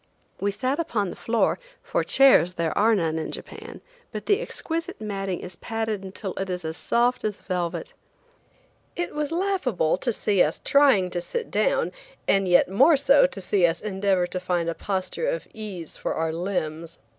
We sat upon the floor, for chairs there are none in Japan, but the exquisite matting is padded until it is as soft as velvet. It was laughable to see us trying to sit down, and yet more so to see us endeavor to find a posture of ease for our limbs.